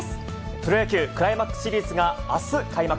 プロ野球・クライマックスシリーズがあす開幕。